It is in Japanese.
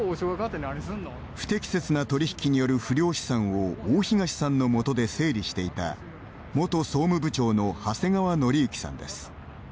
不適切な取り引きによる不良資産を大東さんの下で整理していた元総務部長の長谷川憲幸さんです。